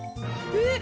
えっ？